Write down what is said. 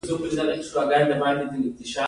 صحي شرایط به هم هلته ډېر خراب وو.